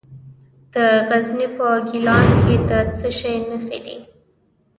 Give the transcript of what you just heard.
د غزني په ګیلان کې د څه شي نښې دي؟